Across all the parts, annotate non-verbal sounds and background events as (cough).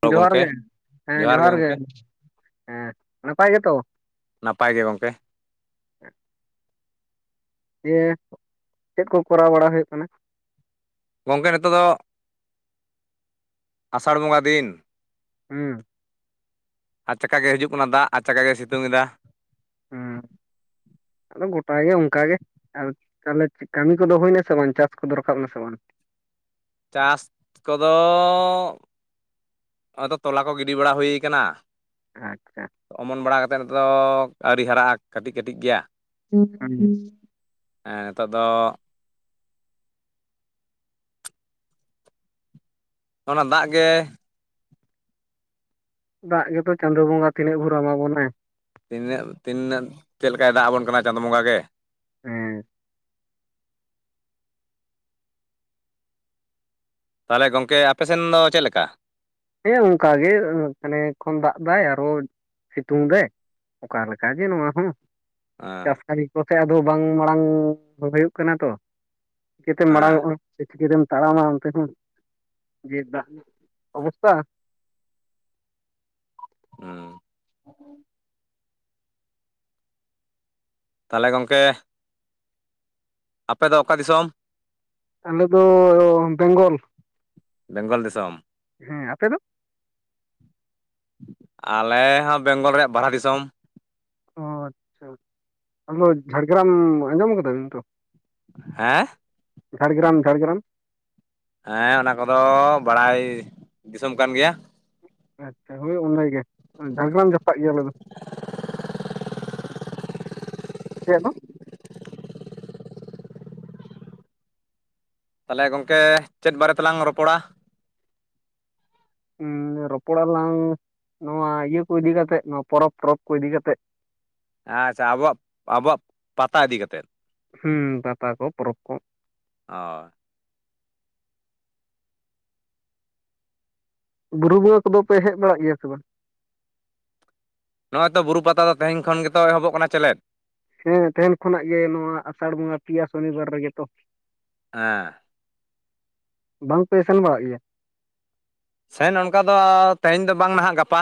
Hello ᱡᱚᱦᱟᱨ ᱜᱚᱢᱠᱮ ᱜᱮ ᱦᱮᱸ ᱡᱚᱦᱟᱨ ᱜᱮ ᱦᱮᱸ, ᱱᱟᱯᱟᱭ ᱜᱮᱛᱚ? ᱱᱟᱯᱟᱭ ᱜᱮ ᱜᱚᱢᱠᱮ ᱤᱭᱤᱭᱟᱹ ᱪᱮᱫ ᱠᱚ ᱠᱚᱨᱟᱣ ᱵᱟᱲᱟ ᱦᱩᱭᱩᱜ ᱠᱟᱱᱟ? ᱜᱚᱝᱠᱮ ᱱᱤᱛᱳᱜ ᱫᱚ ᱟᱥᱟᱲ ᱵᱚᱸᱜᱟ ᱫᱤᱱ ᱦᱮᱸ ᱟᱪᱟᱠᱟ ᱜᱮ ᱦᱤᱡᱩᱜ ᱠᱟᱱᱟ ᱫᱟᱜ ᱟᱪᱟᱠᱟ ᱜᱮ ᱥᱤᱛᱩᱝ ᱮᱫᱟ ᱦᱩᱸ (inaudible) ᱟᱫᱚ ᱜᱚᱴᱟ ᱜᱮ ᱚᱱᱠᱟ ᱜᱮ᱾ ᱟᱨ ᱛᱟᱦᱚᱞᱮ ᱠᱟᱹᱢᱤ ᱠᱚᱫᱚ ᱦᱩᱭᱱᱟᱥᱮ ᱵᱟᱝ ᱪᱟᱥ ᱠᱚᱫᱚ ᱨᱠᱟᱵ ᱱᱟᱥᱮ ᱵᱟᱝ ᱪᱟᱥ ᱠᱚᱫᱚ ᱱᱚ-ᱚᱛᱚ ᱛᱚᱞᱟ ᱠᱚ ᱜᱤᱰᱤ ᱵᱟᱲᱟ ᱦᱩᱭ ᱠᱟᱱᱟ ᱟᱪᱪᱷᱟ ᱚᱢᱚᱱ ᱵᱟᱲᱟ ᱠᱟᱛᱮ ᱱᱤᱛᱚ ᱫᱚ ᱟᱹᱣᱨᱤ ᱦᱟᱨᱟᱜᱼᱟ ᱠᱟᱹᱴᱤᱡ ᱠᱟᱹᱴᱤᱡ ᱜᱮᱭᱟ ᱦ (unintelligible) ᱱᱤᱛᱚᱜ ᱫᱚ ᱚᱱᱟ ᱫᱟᱜ ᱜᱮ ᱫᱟᱜ ᱜᱮᱛᱚ ᱪᱟᱸᱫᱳ ᱵᱚᱸᱜᱟ ᱛᱤᱱᱟᱹᱜ ᱵᱷᱳᱨ ᱟᱢᱟ ᱵᱚᱱᱟ ᱛᱤᱱᱟᱹᱜ ᱛᱤᱱᱟᱹᱜ ᱪᱮᱫ ᱞᱮᱠᱟᱭ ᱫᱟᱜ ᱟᱵᱚᱱ ᱠᱟᱱᱟ ᱪᱟᱸᱫᱳ ᱵᱚᱸᱜᱟ ᱜᱮ ᱦᱮᱸ ᱛᱟᱦᱚᱞᱮ ᱜᱚᱝᱠᱮ ᱟᱯᱮᱥᱮᱱ ᱫᱚ ᱪᱮᱫ ᱞᱮᱠᱟ ᱦᱮᱸ ᱚᱱᱠᱟ ᱜᱮ ᱠᱷᱟᱱᱮᱠ ᱠᱷᱚᱱ ᱫᱟᱜ ᱫᱟᱭ ᱟᱨᱚ ᱥᱤᱛᱩᱝ ᱫᱟᱭ ᱚᱠᱟ ᱞᱮᱠᱟ ᱡᱮ ᱱᱚᱣᱟ ᱦᱚᱸ ᱦᱮᱸ ᱪᱟᱥ ᱠᱟᱢᱤ ᱠᱚ ᱥᱮ ᱟᱫᱚ ᱵᱟᱝ ᱢᱟᱲᱟᱝ ᱦᱩᱭᱩᱜ ᱠᱟᱱᱟ ᱛᱚ ᱪᱤᱠᱟᱹᱛᱮᱢ ᱦᱮᱸ ᱢᱟᱲᱟᱝᱚᱜᱼᱟ ᱪᱤᱠᱟᱹ ᱨᱮᱢ ᱛᱟᱲᱟᱢᱟ ᱚᱱᱛᱮ ᱦᱚᱸ ᱡᱮ ᱫᱟᱜ ᱚᱠᱟ ᱦᱮᱸ ᱛᱟᱦᱚᱞᱮ ᱜᱚᱢᱠᱮ ᱟᱯᱮ ᱫᱚ ᱚᱠᱟ ᱫᱤᱥᱚᱢ ᱟᱞᱮᱫ ᱫᱚ ᱵᱮᱝᱜᱚᱞ ᱵᱮᱝᱜᱚᱞ ᱫᱤᱥᱚᱢ ᱦᱮᱸ ᱟᱯᱮ ᱫᱚ ᱟᱞᱮ ᱦᱚᱸ ᱵᱮᱝᱜᱚᱞ ᱨᱮᱭᱟᱜ ᱵᱟᱲᱦᱟ ᱫᱤᱥᱚᱢ ᱚ ᱟᱪᱪᱷᱟ ᱟᱫᱚ ᱡᱷᱟᱲᱜᱨᱟᱢ ᱟᱸᱡᱚᱢ ᱟᱠᱟᱫᱟ ᱵᱤᱱ ᱛᱚ ᱦᱮᱸ ᱡᱷᱟᱲᱜᱨᱟᱢ ᱡᱷᱟᱲᱜᱨᱟᱢ ᱦᱮᱸ ᱚᱱᱟ ᱠᱚᱫᱚ ᱵᱟᱲᱟᱭ ᱫᱤᱥᱚᱢ ᱠᱟᱱ ᱜᱮᱭᱟ ᱟᱪᱪᱷᱟ ᱦᱳᱭ ᱚᱱᱟ ᱜᱮ ᱡᱷᱟᱲᱜᱨᱟᱢ ᱡᱟᱯᱟᱜ ᱜᱮ ᱟᱞᱮ ᱫᱚ ᱪᱮ ᱫᱚ ᱛᱟᱦᱚᱞᱮ ᱜᱚᱝᱠᱮ ᱪᱮᱫ ᱵᱟᱨᱮ ᱛᱮᱞᱟᱝ ᱨᱚᱯᱚᱲᱟ ᱦᱮᱸ ᱨᱚᱯᱚᱲᱟ ᱞᱟᱝ ᱱᱚᱣᱟ ᱤᱭᱟᱹ ᱠᱚ ᱤᱫᱤ ᱠᱟᱛᱮᱜ ᱱᱚᱣᱟ ᱯᱚᱨᱚᱵᱽ ᱴᱚᱨᱚᱵᱽ ᱠᱚ ᱤᱫᱤ ᱠᱟᱛᱮᱜ ᱟᱪᱪᱷᱟ ᱟᱵᱚᱣᱟᱜ ᱟᱵᱚᱣᱟᱜ ᱯᱟᱛᱟ ᱤᱫᱤ ᱠᱟᱛᱮ ᱦᱩᱸ ᱯᱟᱛᱟ ᱠᱚ ᱯᱚᱨᱚᱵᱽ ᱠᱚ ᱚᱻ ᱵᱩᱨᱩ ᱵᱚᱸᱜᱟ ᱠᱚᱫᱚ ᱯᱮ ᱦᱮᱡ ᱵᱟᱲᱟᱜ ᱜᱮᱭᱟ ᱥᱮ ᱵᱟᱝ ᱱᱚᱜᱼᱚᱭ ᱛᱚ ᱵᱩᱨᱩ ᱯᱟᱛᱟ ᱫᱚ ᱛᱮᱦᱮᱧ ᱠᱷᱚᱱ ᱜᱮᱛᱚ ᱮᱦᱚᱵᱚᱜ ᱠᱟᱱᱟ ᱪᱮᱞᱮᱫ ᱦᱮᱸ ᱛᱮᱦᱮᱱ ᱠᱷᱚᱱᱟᱜ ᱜᱮ ᱱᱚᱣᱟ ᱟᱥᱟᱲ ᱵᱚᱸᱜᱟ ᱯᱮᱭᱟ ᱥᱚᱱᱤᱵᱟᱨ ᱨᱮᱜᱮ ᱛᱚ ᱦᱮᱸ ᱵᱟᱝ ᱯᱮ ᱥᱮᱱ ᱵᱟᱲᱟᱜ ᱜᱮᱭᱟ ᱥᱮᱱ ᱚᱝᱠᱟ ᱫᱚ ᱛᱮᱦᱮᱧ ᱫᱚ ᱵᱟᱝ ᱱᱟᱦᱟᱜ ᱜᱟᱯᱟ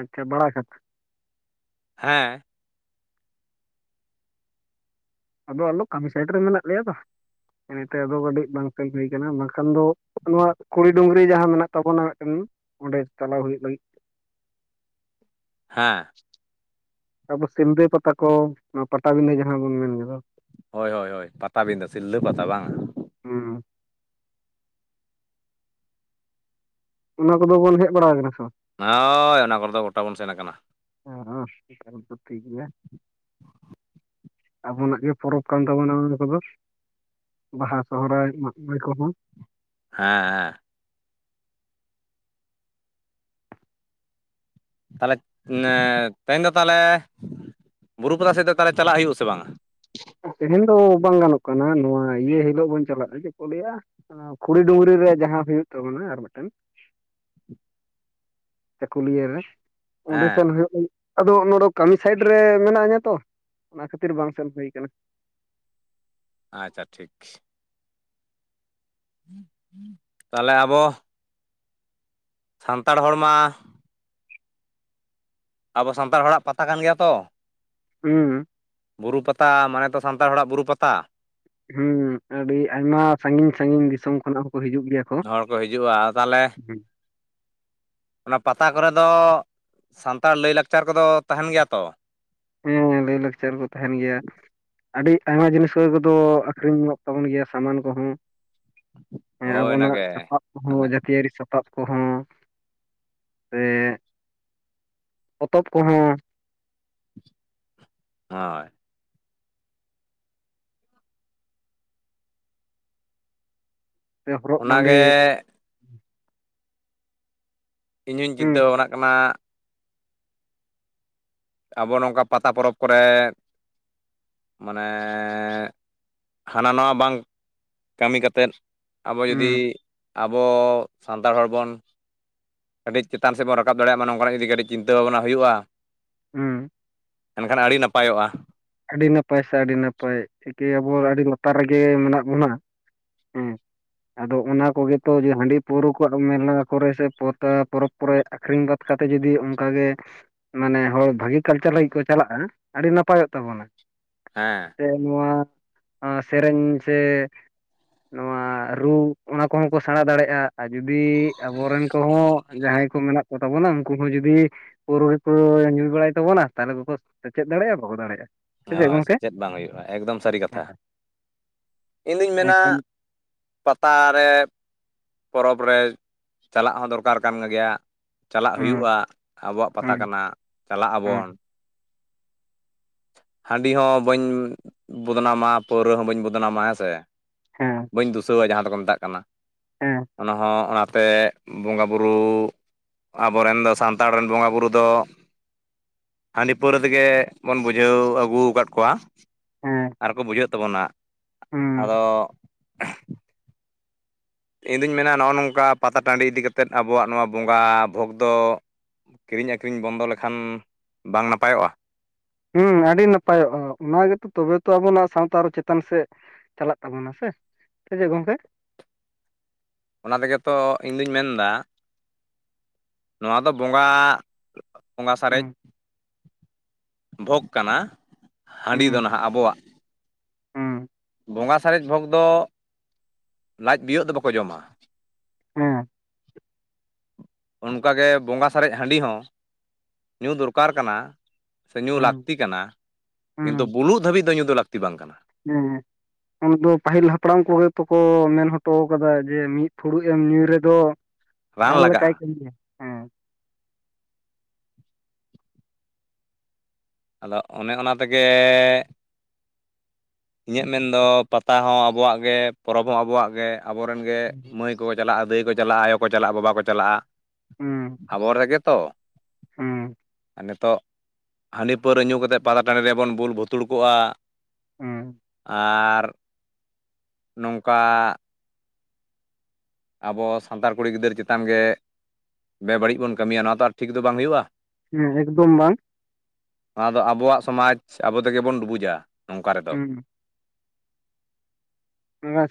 ᱟᱪᱪᱷᱟ ᱵᱟᱲᱟᱜᱷᱟᱴ ᱦᱮᱸ ᱟᱫᱚ ᱟᱞᱚ ᱠᱟᱹᱢᱤ ᱥᱟᱭᱤᱰ ᱨᱮ ᱢᱮᱱᱟᱜ ᱞᱮᱭᱟ ᱛᱚ ᱤᱱᱟᱹ ᱛᱮ ᱟᱫᱚ ᱠᱟᱹᱴᱤᱡ ᱵᱟᱝ ᱥᱮᱱ ᱦᱩᱭ ᱟᱠᱟᱱᱟ ᱵᱟᱝᱠᱷᱟᱱ ᱫᱚ ᱱᱚᱣᱟ ᱠᱩᱲᱤ ᱰᱩᱝᱨᱤ ᱡᱟᱦᱟᱸ ᱢᱮᱱᱟᱜ ᱛᱟᱵᱚᱱᱟ ᱢᱮᱫᱴᱮᱱ ᱚᱸᱰᱮ ᱪᱟᱞᱟᱣ ᱦᱩᱭᱩᱜ ᱞᱟᱹᱜᱤᱫ ᱦᱮᱸ (unintelligible) ᱥᱤᱞᱫᱟᱹ ᱯᱟᱛᱟ ᱠᱚ (unintelligible) ᱯᱟᱴᱟᱵᱤᱸᱫᱟᱹ ᱡᱟᱦᱟᱸ ᱵᱚᱱ ᱢᱮᱱ ᱫᱚ ᱦᱳᱭ ᱦᱳᱭ ᱦᱳᱭ ᱯᱟᱛᱟᱵᱤᱸᱫᱟᱹ ᱥᱤᱞᱫᱟᱹ ᱯᱟᱛᱟ ᱵᱟᱝᱼᱟ ᱦᱩᱸᱻ ᱚᱱᱟ ᱠᱚᱫᱚ ᱵᱚᱱ ᱦᱮᱜ ᱵᱟᱲᱟ ᱟᱠᱟᱱᱟ ᱥᱮ ᱵᱟᱝᱼᱟ ᱦᱚᱻᱳᱭ ᱚᱱᱟ ᱠᱚᱨᱮ ᱫᱚ ᱜᱚᱴᱟ ᱵᱚᱱ ᱥᱮᱱ ᱟᱠᱟᱱᱟ (unintelligible) ᱟᱵᱚᱱᱟᱜ ᱜᱮ ᱯᱚᱨᱚᱵᱽ ᱠᱟᱱ ᱛᱟᱵᱚᱱᱟ ᱚᱱᱟ ᱠᱚᱫᱚ ᱵᱟᱦᱟ ᱥᱚᱦᱨᱟᱭ ᱢᱟᱜᱽ ᱢᱚᱬᱮ ᱠᱚᱦᱚᱸ ᱦᱮᱸᱻ ᱦᱮᱸᱻ ᱛᱟᱦᱚᱞᱮ ᱮᱸ ᱛᱮᱦᱮᱧ ᱫᱚ ᱛᱟᱦᱚᱞᱮ ᱵᱩᱨᱩ ᱯᱟᱛᱟ ᱥᱮᱜ ᱫᱚ ᱛᱟᱦᱚᱞᱮ ᱪᱟᱞᱟᱜ ᱦᱩᱭᱩᱜ ᱟᱥᱮ ᱵᱟᱝᱼᱟ ᱛᱮᱦᱮᱧ ᱫᱚ ᱵᱟᱝ ᱜᱟᱱᱚᱜ ᱠᱟᱱᱟ ᱱᱚᱣᱟ ᱤᱭᱟᱹ ᱦᱤᱞᱳᱜ ᱵᱚᱱ ᱪᱟᱞᱟᱜᱼᱟ ᱪᱮᱫ ᱠᱚ ᱞᱟᱹᱭᱟ ᱠᱷᱩᱲᱤ ᱰᱩᱝᱨᱤ ᱨᱮ ᱡᱟᱦᱟᱸ ᱦᱳᱭᱳᱜ ᱛᱟᱵᱚᱱᱟ ᱟᱨ ᱢᱤᱫᱴᱮᱱ ᱪᱟᱹᱠᱩᱞᱤᱭᱟᱹ ᱨᱮ ᱚᱸᱰᱮ ᱦᱮᱸ ᱥᱮᱱ ᱦᱩᱭᱩᱜ (unintelligible) ᱟᱫᱚ ᱱᱚᱰᱮ ᱠᱟᱹᱢᱤ ᱥᱟᱭᱤᱰ ᱨᱮ ᱢᱮᱱᱟᱜ ᱤᱧᱟ ᱛᱚ ᱚᱱᱟ ᱠᱷᱟᱹᱛᱤᱨ ᱵᱟᱝ ᱥᱮᱱ ᱦᱩᱭ ᱟᱠᱟᱱᱟ ᱟᱪᱪᱷᱟ ᱴᱷᱤᱠ ᱛᱟᱦᱚᱞᱮ ᱟᱵᱚ ᱥᱟᱱᱛᱟᱲ ᱦᱚᱲ ᱢᱟ ᱟᱵᱚ ᱥᱟᱱᱛᱟᱲ ᱦᱚᱲᱟᱜ ᱯᱟᱛᱟ ᱠᱟᱱ ᱜᱮᱭᱟ ᱛᱚ ᱦᱩᱸ ᱦᱩᱸᱻᱻ ᱵᱩᱨᱩ ᱯᱟᱛᱟ ᱢᱟᱱᱮ ᱛᱚ ᱥᱟᱱᱛᱟᱲ ᱦᱚᱲᱟᱜ ᱵᱩᱨᱩ ᱯᱟᱛᱟ ᱦᱮᱸ ᱟᱹᱰᱤ ᱟᱭᱢᱟ ᱥᱟᱺᱜᱤᱧ ᱥᱟᱺᱜᱤᱧ ᱫᱤᱥᱚᱢ ᱠᱷᱚᱱᱟᱜ ᱦᱚᱸᱠᱚ ᱦᱤᱡᱩᱜ ᱜᱮᱭᱟ ᱦᱚᱲ ᱠᱚ ᱦᱤᱡᱩᱜᱼᱟ ᱛᱟᱦᱚᱞᱮ ᱦᱩᱸ ᱚᱱᱟ ᱯᱟᱛᱟ ᱠᱚᱨᱮ ᱫᱚ ᱥᱟᱱᱛᱟᱲ ᱞᱟᱹᱭ ᱞᱟᱠᱪᱟᱨ ᱠᱚᱫᱚ ᱛᱟᱦᱮᱸᱱ ᱜᱮᱭᱟ ᱛᱚ ᱦᱮᱸ ᱞᱟᱹᱭᱼᱞᱟᱠᱪᱟᱨ ᱠᱚ ᱛᱟᱦᱮᱸᱱ ᱜᱮᱭᱟ ᱟᱹᱰᱤ ᱟᱭᱢᱟ ᱡᱤᱱᱤᱥ ᱠᱚ (unintelligible) ᱠᱚᱫᱚ ᱟᱹᱠᱷᱨᱤᱧᱚᱜ ᱛᱟᱵᱚᱱ ᱜᱮᱭᱟ ᱥᱟᱢᱟᱱ ᱠᱚᱦᱚᱸ ᱦᱮᱸ ᱦᱳᱭ ᱟᱵᱚᱱᱟᱜ ᱚᱱᱟᱜᱮ ᱥᱟᱯᱟᱵ ᱢᱟᱱᱮ ᱦᱚᱸ ᱡᱟᱹᱛᱤᱭᱟᱹᱨᱤ ᱥᱟᱯᱟᱵ ᱥᱟᱯᱟᱵ ᱠᱚᱦᱚᱸ ᱥᱮ ᱯᱚᱛᱚᱵ ᱠᱚᱦᱚᱸ ᱦᱳᱭ ᱥᱮ ᱦᱚᱨᱚᱜ ᱚᱱᱟᱜᱮ ᱵᱟᱸᱫᱮ ᱤᱧ ᱦᱩᱧ ᱦᱩᱸ ᱪᱤᱱᱛᱟᱹ ᱵᱷᱟᱵᱽᱱᱟ ᱠᱟᱱᱟ ᱟᱵᱚ ᱱᱚᱝᱠᱟ ᱯᱟᱛᱟ ᱯᱚᱨᱚᱵᱽ ᱠᱚᱨᱮ ᱢᱟᱱᱮᱻ ᱦᱟᱱᱟ ᱱᱷᱟᱣᱟ ᱵᱟᱝ ᱠᱟᱹᱢᱤ ᱠᱟᱛᱮᱫ ᱟᱵᱚ ᱡᱩᱫᱤ ᱦᱩᱸ ᱟᱵᱚ ᱥᱟᱱᱛᱟᱲ ᱦᱚᱲ ᱵᱚᱱ ᱠᱟᱹᱴᱤᱡ ᱪᱮᱛᱟᱱ ᱥᱮᱜ ᱵᱚᱱ ᱨᱟᱠᱟᱵ ᱫᱟᱲᱮᱭᱟᱜ ᱢᱟ ᱱᱚᱝᱠᱟᱱᱟᱜ ᱡᱩᱫᱤ ᱠᱟᱹᱴᱤᱡ ᱪᱤᱱᱛᱟᱹ ᱵᱷᱟᱵᱽᱱᱟ ᱦᱩᱭᱩᱜᱼᱟ ᱦᱩᱸᱻ ᱮᱱᱠᱷᱟᱱ ᱟᱹᱰᱤ ᱱᱟᱯᱟᱭᱚᱜᱼᱟ ᱟᱹᱰᱤ ᱱᱟᱯᱟᱭ ᱥᱮ ᱟᱹᱰᱤ ᱱᱟᱯᱟᱭ ᱪᱤᱠᱟᱹᱭᱟ ᱵᱚ ᱟᱹᱰᱤ ᱞᱟᱛᱟᱨ ᱨᱮᱜᱮ ᱢᱮᱱᱟᱜ ᱵᱚᱱᱟ ᱦᱮᱸ᱾ (inaudible) ᱟᱫᱚ ᱚᱱᱟ ᱠᱚᱜᱮ ᱛᱚ ᱡᱮ ᱦᱟᱺᱰᱤ ᱯᱟᱹᱣᱨᱟᱹ ᱠᱚᱣᱟᱜ ᱢᱮᱞᱟ ᱠᱚᱨᱮ ᱥᱮ ᱯᱟᱛᱟ ᱯᱚᱨᱚᱵᱽ (unintelligible) ᱨᱮ ᱟᱹᱠᱷᱨᱤᱧ ᱵᱟᱫᱽ ᱠᱟᱛᱮᱜ ᱡᱩᱫᱤ ᱚᱱᱠᱟ ᱜᱮ ᱢᱟᱱᱮ ᱦᱚᱲ ᱵᱷᱟᱹᱜᱤ ᱠᱟᱞᱪᱟᱨ ᱞᱟᱹᱜᱤᱫ ᱠᱚ ᱪᱟᱞᱟᱜᱼᱟ ᱟᱹᱰᱤ ᱱᱟᱯᱟᱭᱚᱜ ᱛᱟᱵᱚᱱᱟ ᱦᱮᱸ ᱥᱮ ᱱᱚᱣᱟ ᱥᱮᱨᱮᱧ ᱥᱮ ᱱᱚᱣᱟ ᱨᱩ ᱚᱱᱟ ᱠᱚᱦᱚᱸ ᱠᱚ ᱥᱮᱬᱟ ᱫᱟᱲᱮᱭᱟᱜᱼᱟ ᱟᱨ ᱡᱩᱫᱤ ᱟᱵᱚᱨᱮᱱ ᱠᱚᱦᱚᱸ ᱡᱟᱦᱟᱸᱭ ᱠᱚ ᱢᱮᱱᱟᱜ ᱠᱚ ᱛᱟᱵᱚᱱᱟ ᱩᱱᱠᱩ ᱠᱚ ᱡᱩᱫᱤᱼᱼ (unintelligible) ᱠᱚ ᱧᱩ ᱵᱟᱲᱟᱭ ᱛᱟᱵᱚᱱᱟ ᱛᱟᱦᱚᱞᱮ ᱵᱟᱠᱚ ᱥᱮᱪᱮᱫ ᱫᱟᱲᱮᱭᱟᱜᱼᱟ ᱵᱟᱠᱚ ᱫᱟᱲᱮᱭᱟᱜᱼᱟ ᱥᱮ ᱪᱮᱫ ᱦᱳᱭ ᱜᱚᱝᱠᱮ ᱥᱮᱪᱮᱫ ᱵᱟᱝ ᱦᱩᱭᱩᱜᱼᱟ ᱮᱠᱫᱚᱢ ᱥᱟᱹᱨᱤ ᱠᱟᱛᱷᱟ ᱤᱧᱫᱩᱧ ᱢᱮᱱᱟ ᱮᱱᱠᱷᱟᱱ ᱯᱟᱛᱟ ᱨᱮ ᱯᱚᱨᱚᱵᱽ ᱨᱮ ᱪᱟᱞᱟᱜ ᱦᱚᱸ ᱫᱚᱨᱠᱟᱨ ᱠᱟᱱ ᱜᱮᱭᱟ ᱪᱟᱞᱟᱜ ᱦᱮᱸ ᱦᱩᱭᱩᱜᱼᱟ ᱟᱵᱚᱣᱟᱜ ᱯᱟᱛᱟ ᱦᱮᱸ ᱠᱟᱱᱟ ᱪᱟᱞᱟᱜ ᱦᱮᱸ ᱟᱵᱚᱱ ᱦᱟᱺᱰᱤ ᱦᱚᱸ ᱵᱟᱹᱧ ᱵᱚᱫᱱᱟᱢᱟ ᱯᱟᱹᱣᱨᱟᱹ ᱦᱚᱸ ᱵᱟᱹᱧ ᱵᱚᱫᱱᱟᱢᱟ ᱦᱮᱸ ᱥᱮ ᱦᱮᱸ ᱵᱟᱹᱧ ᱫᱩᱥᱟᱹᱣᱟ ᱡᱟᱦᱟᱸ ᱫᱚᱠᱚ ᱢᱮᱛᱟᱜ ᱠᱟᱱᱟ ᱦᱮᱸ ᱚᱱᱟᱦᱚᱸ ᱚᱱᱟᱛᱮ ᱵᱚᱸᱜᱟ ᱵᱩᱨᱩ ᱟᱵᱚᱨᱮᱱ ᱫᱚ ᱥᱟᱱᱛᱟᱲ ᱨᱮᱱ ᱵᱚᱸᱜᱟ ᱵᱩᱨᱩ ᱫᱚᱼᱼ ᱦᱟᱺᱰᱤ ᱯᱟᱹᱣᱨᱟᱹ ᱨᱮᱜᱮ ᱵᱚᱱ ᱵᱩᱡᱷᱟᱹᱣ ᱟᱹᱜᱩᱼᱼ ᱜᱩ ᱠᱟᱫ ᱠᱚᱣᱟ ᱦᱮᱸ ᱟᱨᱠᱚ ᱵᱩᱡᱷᱟᱹᱜ ᱛᱟᱵᱚᱱᱟ ᱦᱮᱸ ᱟᱫᱚ ᱤᱧᱫᱩᱧ ᱢᱮᱱᱟ ᱱᱚᱜᱼᱚ ᱱᱚᱝᱠᱟ ᱯᱟᱛᱟ ᱴᱟᱺᱰᱤ ᱤᱫᱤ ᱠᱟᱛᱮᱫ ᱟᱵᱚᱣᱟᱜ ᱱᱚᱣᱟ ᱵᱚᱸᱜᱟ ᱵᱷᱳᱜᱽᱫᱚᱼᱼ ᱠᱤᱨᱤᱧ ᱟᱹᱠᱷᱨᱤᱧ ᱵᱚᱱᱫᱚ ᱞᱮᱠᱷᱟᱱ ᱵᱟᱝ ᱱᱟᱯᱟᱭᱚᱜᱼᱟ ᱦᱮᱸ ᱟᱹᱰᱤ ᱱᱟᱯᱟᱭᱚᱜᱼᱟ ᱚᱱᱟ ᱜᱮᱛᱚ ᱛᱚᱵᱮ ᱛᱚ ᱟᱵᱚ ᱱᱚᱣᱟ ᱥᱟᱶᱛᱟ ᱟᱨᱚ ᱪᱮᱛᱟᱱ ᱥᱮᱫᱼᱼ ᱪᱟᱞᱟᱜ ᱛᱟᱵᱚᱱᱟ ᱥᱮ ᱥᱮᱪᱮᱫ ᱜᱚᱝᱠᱮ? ᱚᱱᱟ ᱛᱮᱜᱮᱛᱚ ᱤᱧᱫᱚᱩᱧ ᱢᱮᱱᱫᱟ ᱱᱚᱣᱟ ᱫᱚ ᱵᱚᱸᱜᱟ ᱵᱚᱸᱜᱟ ᱥᱟᱨᱮᱡᱼᱼ ᱦᱮᱸ ᱵᱷᱳᱜᱽ ᱠᱟᱱᱟ ᱦᱟᱺᱰᱤ ᱫᱚ ᱦᱮᱸ ᱱᱟᱦᱟᱜ ᱟᱵᱚᱣᱟᱜ ᱦᱮᱸ ᱵᱚᱸᱜᱟ ᱥᱟᱨᱮᱡ ᱵᱷᱳᱚᱜᱽ ᱫᱚ ᱞᱟᱡ ᱵᱤᱭᱳᱜ ᱫᱚ ᱵᱟᱠᱚ ᱡᱚᱢᱟ ᱦᱮᱸ ᱚᱱᱠᱟᱜᱮ ᱵᱚᱸᱜᱟ ᱥᱟᱨᱮᱡ ᱦᱟᱺᱰᱤ ᱦᱚᱸ ᱧᱩ ᱫᱚᱨᱠᱟᱨ ᱠᱟᱱᱟ ᱥᱮ ᱧᱩ ᱦᱮᱸ ᱞᱟᱹᱠᱛᱤ ᱠᱟᱱᱟ ᱠᱤᱱᱛᱩ ᱵᱩᱞᱩᱜ ᱫᱷᱟᱹᱵᱤᱡ ᱫᱚ ᱧᱩ ᱫᱚ ᱞᱟᱹᱠᱛᱤ ᱵᱟᱝ ᱠᱟᱱᱟ ᱦᱮᱸ ᱦᱮᱸ ᱟᱢᱫᱚ ᱫᱚ ᱯᱟᱹᱦᱤᱞ ᱦᱟᱯᱲᱟᱢ ᱠᱚᱜᱮ ᱛᱚᱠᱚ ᱢᱮᱱ ᱦᱚᱴᱚ ᱠᱟᱫᱟ ᱡᱮ ᱢᱤᱫ ᱯᱷᱩᱲᱩᱜ ᱮᱢ ᱧᱩᱭ ᱨᱮᱫᱚᱼᱼ ᱨᱟᱱ ᱞᱮᱠᱟᱭ ᱠᱟᱹᱢᱤᱭᱟ ᱦᱮᱸ ᱟᱫᱚ ᱚᱱᱮ ᱚᱱᱟ ᱛᱮᱜᱮᱼᱼ ᱤᱧᱟᱹᱜ ᱢᱮᱱᱫᱚ ᱯᱟᱛᱟ ᱦᱚᱸ ᱟᱵᱚᱣᱟᱜ ᱜᱮ ᱯᱚᱨᱚᱵᱽ ᱦᱚᱸ ᱟᱵᱚᱣᱟᱜ ᱜᱮ ᱟᱵᱚᱨᱮᱱ ᱜᱮ ᱢᱟᱹᱭ ᱠᱩ ᱠᱚ ᱪᱟᱞᱟᱜᱼᱟ ᱫᱟᱹᱭ ᱠᱚ ᱪᱟᱞᱟᱜᱼᱟ ᱟᱭᱚ ᱠᱚ ᱪᱟᱞᱟᱜᱼᱟ ᱵᱟᱵᱟ ᱠᱚ ᱪᱟᱞᱟᱜᱼᱟ ᱦᱮᱸ ᱟᱵᱚ ᱨᱮᱜᱮ ᱛᱚ ᱦᱮᱸ ᱟᱨ ᱱᱤᱛᱚᱜ ᱦᱟᱸᱰᱤ ᱯᱟᱹᱣᱨᱟᱹ ᱧᱩ ᱠᱟᱛᱮᱫ ᱯᱟᱛᱟ ᱴᱟᱸᱰᱤ ᱨᱮᱵᱚᱱ ᱵᱩᱞ ᱵᱷᱩᱛᱩᱲᱠᱚᱜᱼᱟ ᱦᱮᱸ ᱟᱨ ᱱᱚᱝᱠᱟᱼᱼ ᱟᱵᱚ ᱥᱟᱱᱛᱟᱲ ᱠᱩᱲᱤ ᱜᱤᱫᱟᱹᱨ ᱪᱮᱛᱟᱱ ᱜᱮ ᱵᱮᱵᱟᱹᱲᱤᱡ ᱵᱚᱱ ᱠᱟᱹᱢᱤᱭᱟ ᱱᱚᱣᱟ ᱛᱚ ᱟᱨ ᱴᱷᱤᱠ ᱫᱚ ᱵᱟᱝ ᱦᱩᱭᱩᱜᱼᱟ ᱦᱮᱸ ᱮᱠᱫᱚᱢ ᱵᱟᱝ ᱱᱚᱣᱟ ᱫᱚ ᱟᱵᱚᱣᱟᱜ ᱥᱚᱢᱟᱡ ᱟᱵᱚ ᱛᱮᱜᱮ ᱵᱚᱱ ᱰᱩᱵᱩᱡᱟ ᱱᱚᱝᱠᱟ ᱨᱮᱫᱚ ᱦᱮᱸ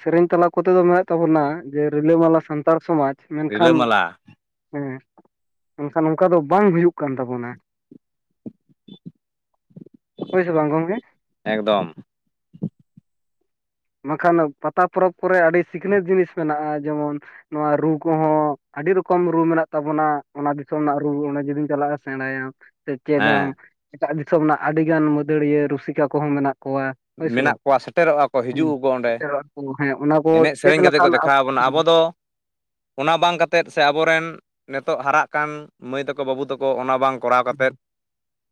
ᱥᱮᱨᱮᱧ ᱛᱟᱞᱟ ᱠᱚᱛᱮ ᱫᱚ ᱢᱮᱱᱟᱜ ᱛᱟᱵᱚᱱᱟ ᱡᱮ ᱨᱤᱞᱟᱹᱢᱟᱞᱟ ᱥᱟᱱᱛᱟᱲ ᱥᱚᱢᱟᱡᱽ ᱢᱮᱱᱠᱷᱟᱱᱼᱼ ᱨᱤᱞᱟᱹᱢᱟᱞᱟ ᱦᱮᱸ ᱮᱱᱠᱷᱟᱱ ᱱᱚᱝᱠᱟ ᱫᱚ ᱵᱟᱝ ᱦᱩᱭᱩᱜ ᱠᱟᱱ ᱛᱟᱵᱚᱱᱟ ᱦᱳᱭᱥᱮ ᱵᱟᱝ ᱜᱚᱢᱠᱮ? ᱮᱠᱫᱚᱢ ᱵᱟᱝᱠᱷᱟᱱ ᱯᱟᱛᱟ ᱯᱚᱨᱚᱵᱽ ᱠᱚᱨᱮ ᱟᱹᱰᱤ ᱥᱤᱠᱷᱱᱟᱹᱛ ᱡᱤᱱᱤᱥ ᱢᱮᱱᱟᱜᱼᱟ ᱡᱮᱢᱚᱱᱼᱼ ᱱᱚᱣᱟ ᱨᱩ ᱠᱚᱦᱚᱸ ᱟᱹᱰᱤ ᱨᱚᱠᱚᱢ ᱨᱩ ᱢᱮᱱᱟᱜ ᱛᱟᱵᱚᱱᱟ ᱚᱱᱟ ᱫᱤᱥᱚᱢ ᱨᱮᱱᱟᱜ ᱨᱩ ᱚᱸᱰᱮ ᱡᱩᱫᱤᱢ ᱪᱟᱞᱟᱜᱼᱟ ᱥᱮᱬᱟᱭᱟᱢ ᱥᱮ ᱪᱮᱫᱟᱢ ᱦᱮᱸ ᱮᱴᱟᱜ ᱫᱤᱥᱚᱢ ᱨᱮᱱᱟᱜ ᱟᱹᱰᱤᱜᱟᱱ ᱢᱟᱹᱫᱟᱹᱲᱤᱭᱟᱹ ᱨᱩᱥᱤᱠᱟ ᱠᱚᱦᱚᱸ ᱢᱮᱱᱟᱜ ᱠᱚᱣᱟ ᱦᱳᱭ ᱥᱮ ᱢᱮᱱᱟᱜ ᱵᱟᱝ ᱠᱚᱣᱟ ᱥᱮᱴᱮᱨᱚᱜᱼᱟ ᱠᱚ ᱦᱮᱸ ᱦᱤᱡᱩᱜ ᱟᱠᱚ ᱚᱸᱰᱮ ᱥᱮᱴᱮᱨᱚᱜ ᱟᱠᱚ ᱦᱮᱸ ᱚᱱᱟ ᱠᱚ ᱮᱱᱮᱡ ᱪᱮᱫ ᱥᱮᱨᱮᱧ ᱠᱟᱛᱮ ᱠᱚ ᱞᱮᱠᱟᱱ ᱫᱮᱠᱷᱟᱣ ᱵᱚᱱᱟ ᱟᱵᱚ ᱫᱚᱼᱼ ᱚᱱᱟ ᱵᱟᱝ ᱠᱟᱛᱮᱫ ᱥᱮ ᱟᱵᱚᱨᱮᱱ ᱱᱤᱛᱚᱜ ᱦᱟᱨᱟᱜ ᱠᱟᱱ ᱢᱟᱹᱭ ᱛᱟᱠᱚ ᱛᱟᱠᱚ ᱵᱟᱹᱵᱩ ᱛᱟᱠᱚ ᱚᱱᱟ ᱵᱟᱝ ᱠᱚᱨᱟᱣ ᱠᱟᱛᱮᱫ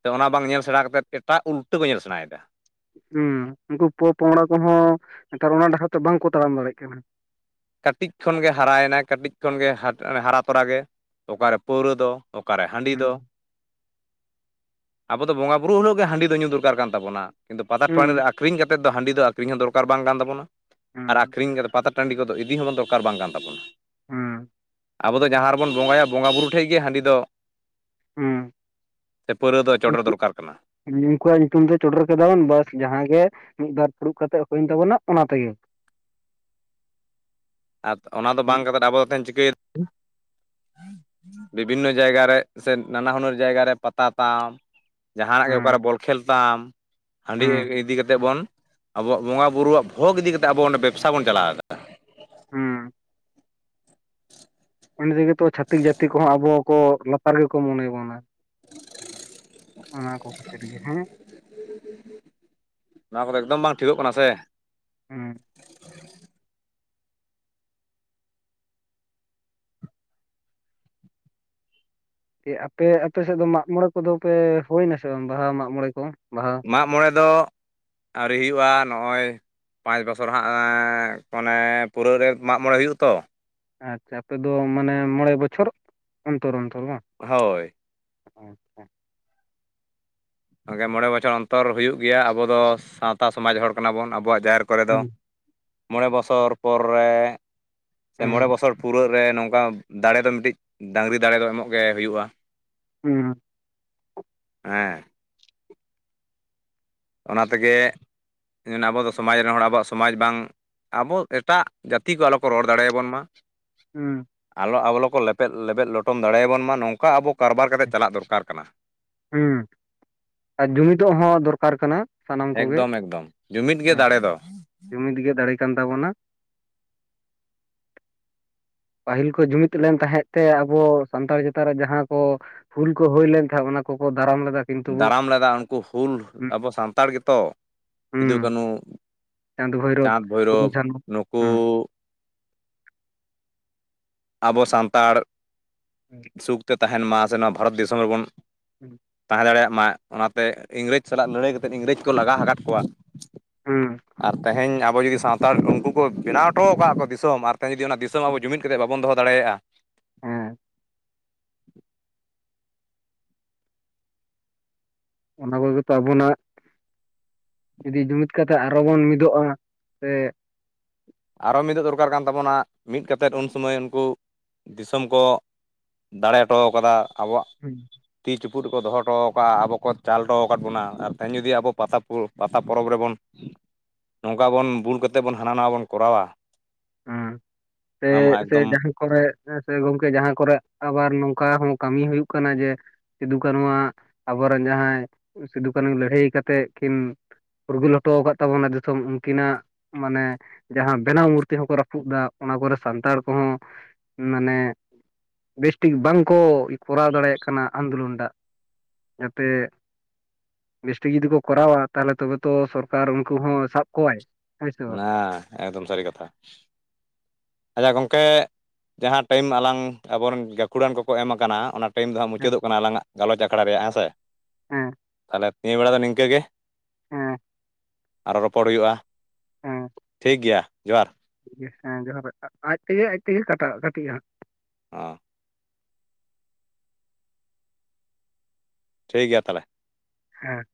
ᱥᱮ ᱚᱱᱟ ᱵᱟᱝ ᱧᱮᱞ ᱥᱮᱬᱟ ᱠᱟᱛᱮᱫ ᱮᱴᱟᱜ ᱩᱞᱴᱟᱹ ᱠᱚ ᱧᱮᱞ ᱥᱮᱬᱟᱭᱮᱫᱟ ᱦᱮᱸ ᱩᱱᱠᱩ ᱯᱚ ᱯᱚᱝᱲᱟ ᱠᱚᱦᱚᱸ ᱱᱮᱛᱟᱨ ᱚᱱᱟ ᱰᱠᱟᱟᱴᱨ ᱛᱮ ᱵᱟᱝᱠᱚ ᱛᱟᱲᱟᱢ ᱫᱟᱲᱮᱭᱟᱜ ᱠᱟᱱᱟ ᱠᱟᱹᱴᱤᱡ ᱠᱷᱚᱱᱜᱮ ᱦᱟᱨᱟᱭᱮᱱᱟᱭ ᱠᱟᱹᱴᱤᱡ ᱠᱷᱚᱱᱜᱮ ᱦᱟᱨᱟ ᱛᱚᱨᱟ ᱚᱠᱟᱨᱮ ᱯᱟᱹᱣᱨᱟᱹ ᱫᱚ ᱚᱠᱟᱨᱮ ᱦᱟᱺᱰᱤ ᱫᱚ ᱦᱩᱸ ᱟᱵᱚ ᱫᱚ ᱵᱚᱸᱜᱟ ᱵᱩᱨᱩ ᱦᱤᱞᱳᱜ ᱜᱮ ᱦᱟᱺᱰᱤ ᱫᱚ ᱧᱩ ᱫᱚᱨᱠᱟᱨ ᱠᱟᱱ ᱛᱟᱵᱚᱱᱟ ᱠᱤᱱᱛᱩ ᱯᱟᱛᱟ ᱴᱟᱺᱰᱤ ᱨᱮ ᱦᱩᱸ ᱟᱠᱷᱨᱤᱧ ᱠᱟ ᱠᱟᱛᱮᱫ ᱫᱚ ᱦᱟᱺᱰᱤ ᱫᱚ ᱟᱠᱷᱨᱤᱧ ᱦᱚᱸ ᱫᱚᱨᱠᱟᱨ ᱵᱟᱝ ᱠᱟᱱ ᱛᱟᱵᱚᱱᱟ ᱟᱨ ᱦᱩᱸ ᱟᱠᱷᱨᱤᱧ ᱠᱟᱛᱮᱫ ᱯᱟᱛᱟ ᱴᱟᱺᱰᱤ ᱠᱚᱫᱚ ᱤᱫᱤ ᱦᱚᱸ ᱫᱚᱨᱠᱟᱨ ᱵᱟᱝ ᱠᱟᱱ ᱛᱟᱵᱚᱱᱟ ᱦᱮᱸ ᱟᱵᱚ ᱫᱚ ᱡᱟᱦᱟᱸ ᱨᱮᱵᱚᱱ ᱵᱚᱸᱜᱟᱭᱟ ᱵᱚᱸᱜᱟ ᱵᱩᱨᱩ ᱴᱷᱮᱡ ᱜᱮ ᱦᱟᱺᱰᱤ ᱫᱚ ᱦᱩᱸ ᱥᱮ ᱯᱟᱹᱣᱨᱟᱹ ᱫᱚ ᱪᱚᱰᱚᱨ ᱩᱱᱠᱩ ᱫᱚᱨᱠᱟᱨ ᱠᱟᱱᱟ ᱩᱱᱠᱩᱣᱟᱜ ᱧᱩᱛᱩᱢ ᱫᱚ ᱪᱚᱰᱚᱨ ᱠᱮᱫᱟᱵᱚᱱ ᱵᱟᱥ ᱡᱟᱦᱟᱸᱜ ᱜᱮ ᱢᱤᱫᱵᱟᱨ ᱯᱷᱩᱲᱩᱵ ᱠᱟᱛᱮᱜ ᱦᱩᱭᱮᱱ ᱛᱟᱵᱚᱱᱟ ᱚᱱᱟ ᱛᱮᱜᱮ ᱟᱨ ᱚᱱᱟ ᱫᱚ ᱵᱟᱝ ᱦᱩᱸ ᱠᱟᱛᱮ ᱟᱵᱚ ᱫᱚ ᱛᱟᱦᱮᱱ ᱪᱤᱠᱟᱹᱭᱮᱫ (inaudible) ᱵᱤᱵᱷᱤᱱᱱᱚ ᱡᱟᱭᱜᱟ ᱨᱮ ᱥᱮ ᱱᱟᱱᱟ ᱦᱩᱱᱟᱹᱨ ᱡᱟᱭᱜᱟ ᱨᱮ ᱯᱟᱛᱟ ᱛᱟᱢ, ᱡᱟᱦᱟᱱᱟᱜ ᱜᱮ ᱚᱠᱟᱨᱮ ᱵᱚᱞ ᱠᱷᱮᱞ ᱛᱟᱢ, ᱦᱟᱺᱰᱤ ᱦᱩᱸ ᱤᱫᱤ ᱠᱟᱛᱮᱫ ᱵᱚᱱ ᱟᱵᱚᱣᱟᱜ ᱵᱚᱸᱜᱟᱼᱵᱩᱨᱩᱣᱟᱜ ᱵᱷᱳᱜᱽ ᱤᱫᱤ ᱠᱟᱛᱮ ᱟᱵᱚ ᱵᱮᱵᱽᱥᱟ ᱵᱚᱱ ᱪᱟᱞᱟᱣ ᱫᱟ᱾ ᱦᱩᱸ ᱤᱱᱟᱹ ᱛᱮᱜᱮ ᱛᱚ ᱪᱷᱟᱛᱤᱠ ᱡᱟᱹᱛᱤ ᱠᱚᱦᱚᱸ ᱟᱵᱚ ᱦᱚᱸ ᱠᱚ ᱞᱟᱛᱟᱨ ᱜᱮᱠᱚ ᱢᱚᱱᱮᱭ ᱵᱚᱱᱟ᱾ (inaudible) ᱚᱱᱟ ᱠᱚ ᱠᱷᱟᱹᱛᱤᱨ ᱜᱮ ᱦᱮᱸ, ᱱᱚᱣᱟ ᱠᱚᱫᱚ ᱮᱠᱫᱚᱢ ᱵᱟᱝ ᱴᱷᱤᱠᱚᱜ ᱠᱟᱱᱟ ᱥᱮ? ᱦᱮᱸ ᱟᱯᱮ ᱟᱯᱮ ᱥᱮᱫ ᱫᱚ ᱢᱟᱜ ᱢᱚᱬᱮ ᱠᱚᱫᱚ ᱯᱮ ᱦᱩᱭᱱᱟ ᱥᱮ ᱵᱟᱝ ᱵᱟᱦᱟ ᱢᱟᱜ ᱢᱚᱬᱮ ᱠᱚ ᱵᱟᱦᱟ? ᱢᱟᱜᱢᱚᱬᱮ ᱫᱚ ᱟᱹᱣᱨᱤ ᱦᱩᱭᱩᱜᱼᱟ ᱱᱚᱜᱼᱚᱭ, ᱯᱟᱸᱪ ᱵᱚᱪᱷᱚᱨ ᱦᱟᱸᱜ ᱢᱟᱱᱮ ᱯᱩᱨᱟᱹᱜ ᱨᱮ ᱢᱟᱜᱢᱚᱬᱮ ᱦᱩᱭᱩᱜᱼᱟ ᱛᱚ, ᱟᱪᱪᱷᱟ ᱟᱯᱮᱫᱚ ᱢᱟᱱᱮ ᱢᱚᱬᱮ ᱵᱚᱪᱷᱚᱨ ᱚᱱᱛᱚᱨ ᱚᱱᱛᱚᱨ ᱵᱟᱝ? ᱦᱳᱭ ᱟᱪᱪᱷᱟ ᱜᱮ ᱢᱚᱬᱮ ᱵᱚᱪᱷᱚᱨ ᱚᱱᱛᱚᱨ ᱦᱩᱭᱩᱜ ᱜᱮᱭᱟ ᱟᱵᱚ ᱫᱚ ᱥᱟᱶᱛᱟ ᱥᱚᱢᱟᱡᱽ ᱦᱚᱲ ᱠᱟᱱᱟ ᱵᱚᱱ ᱟᱵᱚᱣᱟᱜ ᱡᱟᱦᱮᱨ ᱠᱚᱨᱮ ᱫᱚ, ᱦᱩᱸ ᱢᱚᱬᱮ ᱵᱚᱪᱷᱚᱨ ᱯᱚᱨ ᱨᱮ ᱥᱮ ᱢᱚᱬᱮ ᱦᱩᱸ ᱵᱚᱪᱷᱚᱨ ᱯᱩᱨᱟᱹ ᱨᱮ ᱱᱚᱝᱠᱟ ᱫᱟᱲᱮᱚ ᱢᱤᱫᱴᱤᱡ ᱰᱟᱝᱨᱤ ᱫᱟᱲᱮ ᱫᱚ ᱮᱢᱚᱜ ᱜᱮ ᱦᱩᱭᱩᱜᱼᱟ᱾ ᱦᱮᱸ ᱦᱮᱸ ᱚᱱᱟ ᱛᱮᱜᱮ ᱟᱵᱚ ᱫᱚ ᱥᱚᱢᱟᱡᱽ ᱨᱮᱱ ᱦᱚᱲ ᱟᱵᱚᱣᱟᱜ ᱥᱚᱢᱟᱡᱽ ᱵᱟᱝ ᱟᱵᱚ ᱮᱴᱟᱜ ᱡᱟᱹᱛᱤ ᱠᱚ ᱟᱞᱚ ᱠᱚ ᱨᱚᱲ ᱫᱟᱲᱮᱭᱟᱵᱚᱱ ᱢᱟ᱾ ᱦᱩᱸ ᱟᱞᱚ ᱟᱵᱚᱞᱚ ᱠᱚ ᱞᱮᱯᱮᱫ ᱞᱮᱵᱮᱫ ᱞᱚᱴᱚᱢ ᱫᱟᱲᱮᱭᱟᱵᱚᱱ ᱢᱟ ᱱᱚᱝᱠᱟ ᱟᱵᱚ ᱠᱟᱨᱵᱟᱨ ᱠᱟᱛᱮᱫ ᱪᱟᱞᱟᱜ ᱫᱚᱨᱠᱟᱨ ᱠᱟᱱᱟ᱾ ᱦᱩᱸ, ᱟᱨ ᱡᱩᱢᱤᱫᱚᱜ ᱦᱚᱸ ᱫᱚᱨᱠᱟᱨ ᱠᱟᱱᱟ᱾ ᱥᱟᱱᱟᱢ ᱠᱚᱜᱮ ᱮᱠᱫᱚᱢ ᱮᱠᱫᱚᱢ ᱡᱩᱢᱤᱫ ᱜᱮ ᱦᱮᱸ, ᱫᱟᱲᱮ ᱫᱚ ᱡᱩᱢᱤᱫ ᱜᱮ ᱫᱟᱲᱮ ᱠᱟᱱ ᱛᱟᱵᱚᱱᱟ᱾ ᱯᱟᱹᱦᱤᱞ ᱠᱚ ᱡᱩᱢᱤᱫ ᱞᱮᱱ ᱛᱟᱦᱮᱸᱫ ᱛᱮ ᱟᱵᱚ ᱥᱟᱱᱛᱟᱲ ᱪᱮᱛᱟᱱ ᱨᱮ ᱡᱟᱦᱟᱸ ᱠᱚ, ᱦᱩᱞ ᱠᱚ ᱦᱩᱭ ᱞᱮᱱᱠᱷᱟᱱ ᱚᱱᱟ ᱠᱚᱠᱚ ᱫᱟᱨᱟᱢ ᱞᱮᱫᱟ, ᱠᱤᱱᱛᱩ ᱫᱟᱨᱟᱢ ᱞᱮᱫᱟ ᱩᱱᱠᱩ ᱦᱩᱞ ᱦᱩᱸ ᱟᱵᱚ ᱥᱟᱱᱛᱟᱲ ᱜᱮᱛᱚ, ᱥᱤᱫᱩ ᱦᱩᱸ ᱠᱟᱹᱱᱩ ᱪᱟᱸᱫ ᱵᱷᱳᱭᱨᱳᱵ ᱪᱟᱸᱫᱽ ᱯᱷᱩᱞᱚ ᱵᱷᱳᱭᱨᱳᱚᱵᱽ ᱡᱷᱟᱱᱚ ᱱᱩᱠᱩ ᱦᱩᱸ ᱟᱵᱚ ᱥᱟᱱᱛᱟᱲ (inaudible) ᱥᱩᱠᱛᱮ ᱛᱟᱦᱮᱱ ᱢᱟ ᱥᱮ ᱱᱚᱣᱟ ᱵᱷᱟᱨᱚᱛ ᱫᱤᱥᱚᱢ ᱨᱮᱵᱚᱱ (inaudible) ᱛᱟᱦᱮᱸ ᱫᱟᱲᱮᱭᱟᱜ ᱢᱟ, ᱚᱱᱟᱛᱮ ᱤᱝᱨᱮᱡᱽ ᱥᱟᱞᱟᱜ ᱞᱟᱹᱲᱟᱹᱭ ᱠᱟᱛᱮᱫ ᱤᱝᱨᱮᱡᱽ ᱠᱚ ᱞᱟᱜᱟ ᱟᱠᱟᱫ ᱠᱚᱣᱟ᱾ ᱦᱩᱸ ᱟᱨ ᱛᱮᱦᱮᱧ ᱟᱵᱚ ᱡᱩᱫᱤ ᱥᱟᱶᱛ ᱩᱱᱠᱩ ᱠᱚ ᱵᱮᱱᱟᱣ ᱦᱚᱴᱚ ᱠᱮᱜᱼᱟ ᱠᱚ ᱫᱤᱥᱚᱢ ᱟᱨ ᱛᱮᱦᱮᱧ ᱡᱩᱫᱤ ᱚᱱᱟ ᱫᱤᱥᱚᱢ ᱟᱵᱚ ᱡᱩᱢᱤᱫ ᱠᱟᱛᱮ ᱵᱟ ᱵᱚᱱ ᱫᱚᱦᱚ ᱫᱟᱲᱮᱭᱟᱜᱼᱟ᱾ ᱦᱮᱸ ᱚᱱᱟ ᱠᱚᱜᱮᱛᱚ ᱟᱵᱚᱱᱟᱜ ᱡᱩᱫᱤ ᱡᱩᱢᱤᱫ ᱠᱟᱛᱮ ᱟᱨᱚ ᱵᱚᱱ ᱢᱤᱫᱚᱜᱼᱟ ᱥᱮ, ᱟᱨᱚ ᱢᱤᱫᱚᱜ ᱫᱚᱨᱠᱟᱨ ᱠᱟᱱ ᱛᱟᱵᱚᱱᱟ, ᱢᱤᱫ ᱠᱟᱛᱮᱫ ᱩᱱ ᱥᱚᱢᱚᱭ ᱩᱱᱠᱩ ᱫᱤᱥᱚᱢ ᱠᱚ ᱫᱟᱲᱮ ᱦᱚᱴᱚᱣ ᱠᱟᱫᱟ ᱟᱵᱚᱣᱟᱜ ᱦᱮᱸ ᱛᱤ ᱪᱩᱯᱩᱫ ᱨᱮᱠᱚ ᱫᱚᱦᱚᱴᱚᱣ ᱟᱠᱟᱫᱼᱟ, ᱟᱵᱚ ᱠᱚ ᱪᱟᱞ ᱦᱚᱴᱚ ᱟᱠᱟᱫ ᱵᱚᱱᱟ ᱟᱨ ᱛᱮᱦᱧ ᱡᱩᱫᱤ ᱟᱵᱚ ᱯᱟᱛᱟ ᱯᱚᱨᱚᱵᱽ ᱨᱮᱵᱚᱱ ᱱᱚᱝᱠᱟ ᱵᱚᱱ ᱵᱷᱩᱞ ᱠᱟᱛᱮ ᱵᱚᱱ ᱦᱟᱱᱟ ᱱᱟᱣᱟ ᱵᱚᱱ ᱠᱚᱨᱟᱣᱟ, ᱦᱩᱸ ᱥᱮ ᱚᱱᱟ ᱢᱟ ᱥᱮ ᱮᱠᱫᱚᱢ ᱡᱟᱦᱟᱸ ᱠᱚᱨᱮ ᱥᱮ ᱜᱚᱝᱠᱮ ᱡᱟᱦᱟᱸ ᱠᱚᱨᱮ ᱟᱵᱟᱨ ᱱᱚᱝᱠᱟ ᱦᱚᱸ ᱠᱟᱹᱢᱤ ᱦᱩᱭᱩᱜ ᱠᱟᱱᱟ ᱡᱮ ᱥᱤᱫᱩ ᱠᱟᱹᱱᱩᱣᱟᱜ ᱟᱵᱚᱨᱮᱱ ᱡᱟᱦᱟᱸᱭ ᱥᱤᱫᱩ ᱠᱟᱹᱱᱩ ᱞᱟᱹᱲᱦᱟᱹᱭ ᱠᱟᱛᱮᱫ ᱠᱤᱱ ᱯᱷᱩᱨᱜᱟᱹᱞ ᱦᱚᱴᱚᱣ ᱟᱠᱟᱫ ᱛᱟᱵᱚᱱᱟ ᱫᱤᱥᱚᱢ ᱩᱱᱠᱤᱱᱟᱜ ᱢᱟᱱᱮ ᱡᱟᱦᱟᱸ ᱵᱮᱱᱟᱣ ᱢᱩᱨ ᱛᱤ ᱦᱚᱸᱠᱚ ᱨᱟᱹᱯᱩᱫ ᱫᱟ ᱚᱱᱟ ᱠᱚᱨᱮ ᱥᱟᱱᱛᱟᱲ ᱠᱚᱦᱚᱸ ᱢᱟᱱᱮ, ᱵᱮᱥ ᱴᱷᱤᱠ ᱵᱟᱝ ᱠᱚ ᱠᱚᱨᱟᱣ ᱫᱟᱲᱮᱭᱟᱜ ᱠᱟᱱᱟ ᱟᱱᱫᱳᱞᱚᱱ ᱴᱟᱜ ᱡᱟᱛᱮ ᱵᱮᱥ ᱴᱷᱤᱠ ᱡᱩᱫᱤ ᱠᱚ ᱠᱚᱨᱟᱣᱟ ᱛᱟᱦᱚᱞᱮ ᱛᱚᱵᱮ ᱛᱚ ᱥᱚᱨᱠᱟᱨ ᱩᱱᱠᱩ ᱦᱚᱸ ᱥᱟᱵ ᱠᱚᱣᱟᱭ ᱦᱮᱸ ᱥᱮ ᱵᱟᱝ ᱚᱱᱟ ᱮᱠᱫᱚᱢ ᱥᱟᱹᱨᱤ ᱠᱟᱛᱷᱟ᱾ ᱟᱪᱪᱷᱟ ᱜᱚᱝᱠᱮ ᱡᱟᱦᱟᱸ ᱴᱟᱭᱤᱢ ᱟᱞᱟᱝ ᱟᱵᱚᱨᱮᱱ ᱜᱟᱹᱠᱷᱩᱲᱟᱱ ᱠᱚᱠᱚ ᱮᱢ ᱟᱠᱟᱱᱟ ᱚᱱᱟ ᱴᱟᱭᱤᱢ ᱫᱚ ᱦᱟᱸᱜ ᱦᱮᱸ ᱢᱩᱪᱟᱹᱫ ᱠᱟᱱᱟ ᱟᱞᱟᱝ-ᱟᱜ ᱜᱟᱞᱚᱪ ᱟᱠᱷᱲᱟ ᱨᱮᱭᱟᱜ ᱦᱮᱸ ᱥᱮ ᱦᱮᱸ ᱞᱟᱠ ᱱᱤᱭᱟᱹ ᱵᱮᱲᱟ ᱫᱚ ᱱᱤᱝᱠᱟᱹ ᱜᱮ ᱦᱮᱸ ᱟᱨᱚ ᱨᱚᱯᱚᱲ ᱦᱩᱭᱩᱜᱼᱟ ᱦᱮᱸ ᱴᱷᱤᱠ ᱜᱮᱭᱟ ᱡᱚᱦᱟᱨ ᱴᱷᱤᱠ ᱜᱮᱭᱟ ᱦᱮᱸ ᱡᱚᱦᱟᱨ, ᱟᱡ ᱛᱮᱜᱮ ᱟᱡ ᱛᱮᱜᱮ ᱠᱟᱴᱟᱜ-ᱟ ᱠᱟᱹᱴᱤᱜ-ᱟ ᱦᱟᱸᱜ ᱦᱚᱸ ᱴᱷᱤᱠ ᱜᱮᱭᱟ ᱛᱟᱦᱚᱞᱮ ᱦᱮᱸ